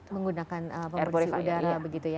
menggunakan pembersih udara begitu ya